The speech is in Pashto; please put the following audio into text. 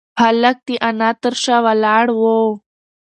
هلک د انا تر شا ولاړ و.